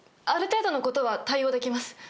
ある程度のことは対応できます。